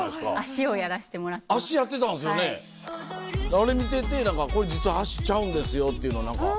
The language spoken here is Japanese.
あれ見ててこれ実は足ちゃうんですよっていうの何か。